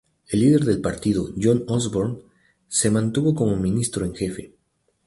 El líder del partido, John Osborne, se mantuvo como ministro en jefe.